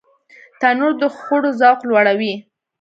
تنور د خوړو ذوق لوړوي